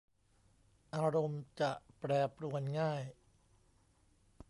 อารมณ์จะแปรปรวนง่าย